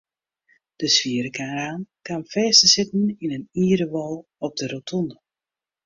De swiere kraan kaam fêst te sitten yn in ierden wâl op de rotonde.